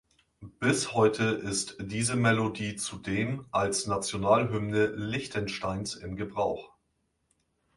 Bis heute ist diese Melodie zudem als Nationalhymne Liechtensteins in Gebrauch.